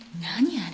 あれ。